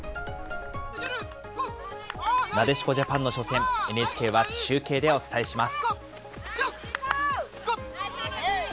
なでしこジャパンの初戦、ＮＨＫは中継でお伝えします。